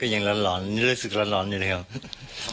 ยังร้อนรู้สึกร้อนอยู่เลยครับ